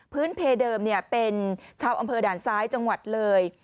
เพเดิมเป็นชาวอำเภอด่านซ้ายจังหวัดเลย